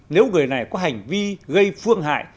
nếu người này có hành vi gây phương hại